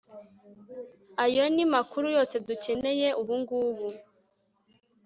Ayo ni makuru yose dukeneye ubungubu